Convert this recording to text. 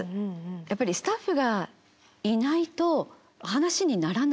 やっぱりスタッフがいないと話にならない気がするんですね。